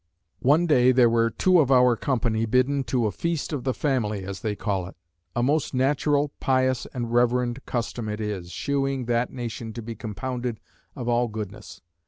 One day there were two of our company bidden to a Feast of the Family, as they call it. A most natural, pious, and reverend custom it is, shewing that nation to be compounded of all goodness.